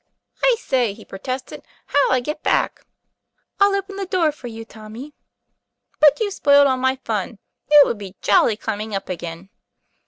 "I say," he protested, "how'll I get back?" ''I'll open the door for you, Tommy." 'But you've spoiled all my fun; it would be jolly climbing up again."